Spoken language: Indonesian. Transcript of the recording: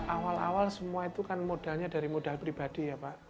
awal awal semua itu kan modalnya dari modal pribadi ya pak